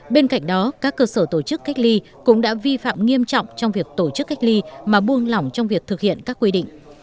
bên cạnh đó các cơ sở tổ chức cách ly cũng đã vi phạm nghiêm trọng trong việc tổ chức cách ly mà buông lỏng trong việc thực hiện các quy định